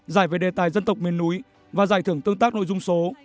giải về đề tài dân tộc miền núi và giải thưởng tương tác nội dung số